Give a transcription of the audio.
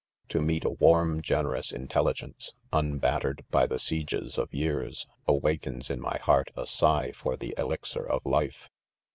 To nieet a' warm geineroiis ; ii[itel!igeii ee ? unbattered by the sieges of years;,' awakens in my heart a sigh; foil the elixir of 'life!